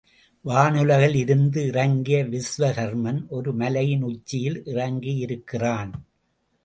வானுலகில் இருந்து இறங்கிய விஸ்வகர்மன் ஒரு மலையின் உச்சியில் இறங்கியிருக்கிறான்.